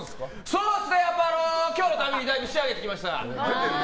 そうっすね、今日のためにだいぶ仕上げてきました。